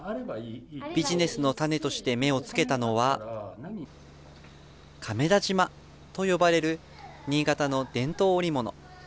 ビジネスの種として目をつけたのは、亀田縞と呼ばれる新潟の伝統織物。